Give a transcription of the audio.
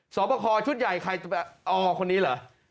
สอบประคอชุดใหญ่ใครอ๋อคนนี้เหรอ